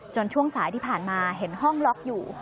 ช่วงสายที่ผ่านมาเห็นห้องล็อกอยู่